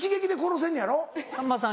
さんまさん